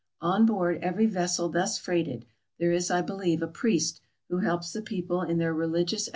On board every ves sel thus freighted, there is, I believe, a priest, who helps the people in their religious